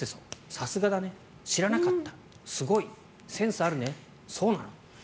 さすがだね知らなかったすごいセンスあるねそうなの？